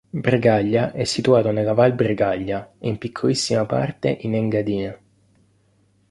Bregaglia è situato nella Val Bregaglia e in piccolissima parte in Engadina.